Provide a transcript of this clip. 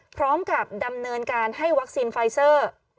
พร้อมกับดำเนินการให้วัคซีนไฟเซอร์